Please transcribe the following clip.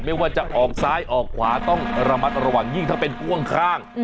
ไม่ว่าจะออกซ้ายออกขวาต้องระมัดระวังยิ่งถ้าเป็นพ่วงข้าง